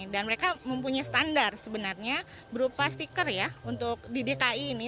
dan mereka mempunyai standar sebenarnya berupa stiker ya untuk di dki ini